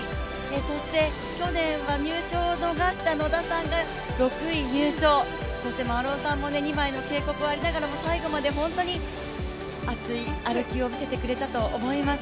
そして、去年は入賞を逃した野田さんが６位入賞、そして丸尾さんも２枚の警告がありながらも最後まで本当に熱い歩きを見せてくれたと思います。